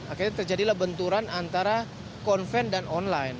akhirnya terjadilah benturan antara konven dan online